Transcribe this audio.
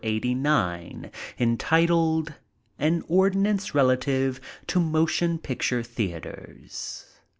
89, entitled: ••An ORDINANCE relative to motion picture theaters."